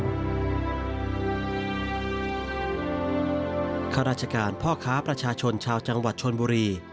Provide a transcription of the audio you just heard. ข้าราชการพ่อค้าประชาชนชาวจังหวัดชนบุรี